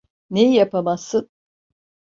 Neyi yapamazsın?